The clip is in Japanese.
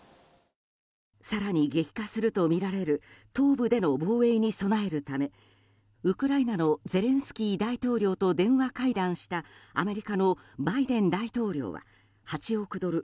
更に激化するとみられる東部での防衛に備えるためウクライナのゼレンスキー大統領と電話会談したアメリカのバイデン大統領は８億ドル